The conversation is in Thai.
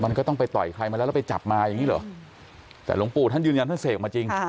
มันก็ต้องไปต่อยใครมาแล้วแล้วไปจับมาอย่างนี้เหรอแต่หลวงปู่ท่านยืนยันท่านเสกมาจริง